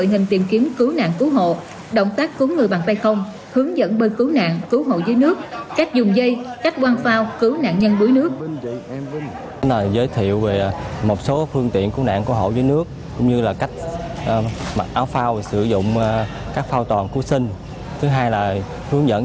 hướng dẫn đội hình tìm kiếm cứu nạn cứu hộ động tác cứu người bằng tay không